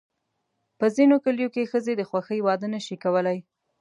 په ځینو کلیو کې ښځې د خوښې واده نه شي کولی.